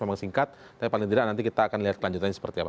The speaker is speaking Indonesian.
memang singkat tapi paling tidak nanti kita akan lihat kelanjutannya seperti apa